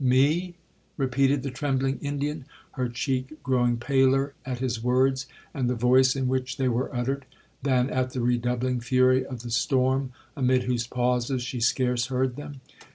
'—'Me?' repeated the trembling Indian, her cheek growing paler at his words, and the voice in which they were uttered, than at the redoubling fury of the storm, amid whose pauses she scarce heard them.